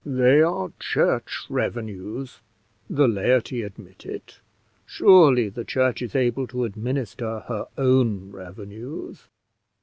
"They are church revenues: the laity admit it. Surely the church is able to administer her own revenues."